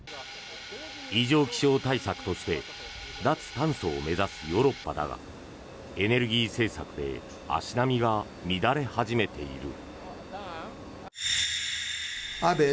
異常気象対策として脱炭素を目指すヨーロッパだがエネルギー政策で足並みが乱れ始めている。